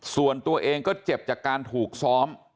ส่วนตัวเองก็เจ็บจากการถูกซ้อม